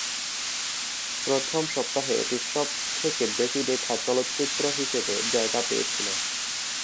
প্রথম সপ্তাহে এটি সবথেকে বেশি দেখা চলচ্চিত্র হিসেবে জায়গা পেয়েছিলো।